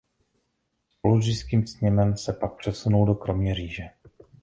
Spolu s Říšským sněmem se pak přesunul do Kroměříže.